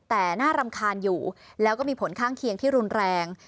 แต่น่ารำคาญอยู่แล้วก็มีผลข้างเคียงที่รุนแรง